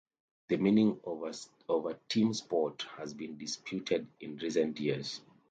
The meaning of a "team sport" has been disputed in recent years.